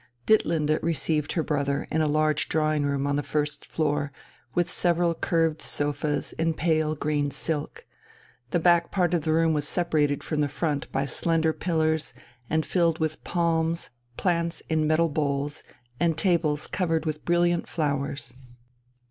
Ditlinde received her brother in a large drawing room on the first floor with several curved sofas in pale green silk; the back part of the room was separated from the front by slender pillars, and filled with palms, plants in metal bowls, and tables covered with brilliant flowers.